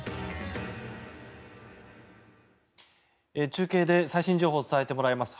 中継で最新情報を伝えてもらいます。